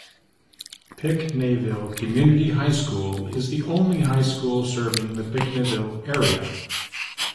Pinckneyville Community High School is the only high school serving the Pinckneyville area.